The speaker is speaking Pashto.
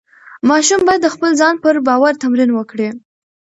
ماشوم باید د خپل ځان پر باور تمرین وکړي.